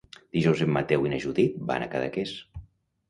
Dijous en Mateu i na Judit van a Cadaqués.